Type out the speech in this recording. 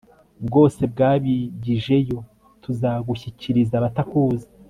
bwose wabwigijeyo, tuzagushyikiriza abatakuzi